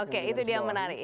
oke itu dia yang menarik